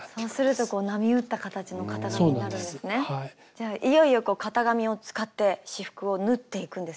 じゃあいよいよ型紙を使って仕覆を縫っていくんですね。